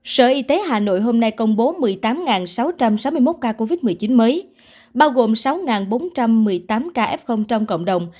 sở y tế hà nội hôm nay công bố một mươi tám sáu trăm sáu mươi một ca covid một mươi chín mới bao gồm sáu bốn trăm một mươi tám ca f trong cộng đồng